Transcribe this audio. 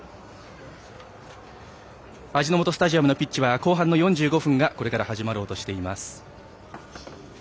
味の素スタジアムのピッチは後半の４５分がこれから始まろうとしています。